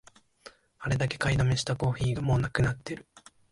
あれだけ買いだめしたコーヒーがもうなくなってる